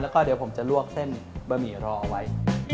แล้วก็เดี๋ยวผมจะลวกเส้นบะหมี่รอเอาไว้